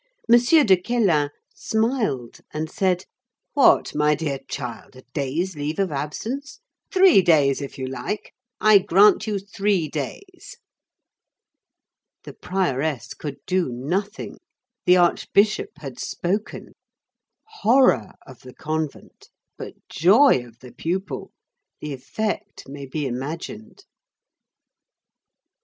M. de Quélen smiled and said, "What, my dear child, a day's leave of absence! Three days if you like. I grant you three days." The prioress could do nothing; the archbishop had spoken. Horror of the convent, but joy of the pupil. The effect may be imagined.